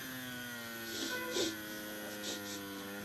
چیاکہ ما ءُ شُما باز حساب ءَ یکّ ءُ ہم درٛوشمیں